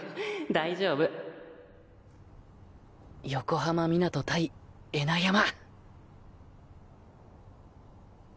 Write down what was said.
大丈夫横浜湊対恵那山！